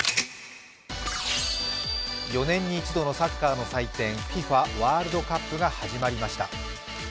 ４年に１度のサッカーの祭典、ＦＩＦＡワールドカップが始まりました。